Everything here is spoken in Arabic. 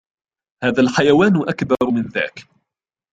.هذا الحيوان أكبر من ذاك